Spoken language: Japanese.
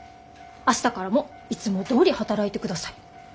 明日からもいつもどおり働いてください」。